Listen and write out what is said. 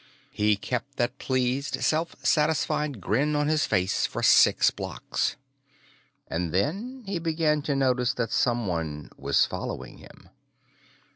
He kept that pleased, self satisfied grin on his face for six blocks. And then he began to notice that someone was following him.